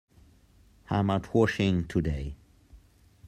I'm out washing today.